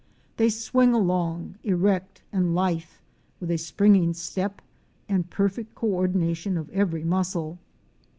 They swing along erect and lithe with a springing step and perfect coordination of every muscle.